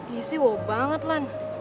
iya sih wow banget lan